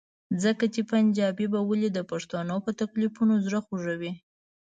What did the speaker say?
ځکه چې پنجابی به ولې د پښتنو په تکلیفونو زړه خوږوي؟